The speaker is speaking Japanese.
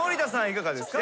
いかがですか？